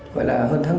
gọi là hơn tháng bảy